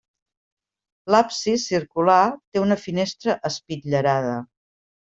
L'absis, circular, té una finestra espitllerada.